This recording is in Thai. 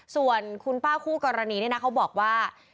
ส่วนคุณป้าคู่กรณีนี่นะเขาบอกว่า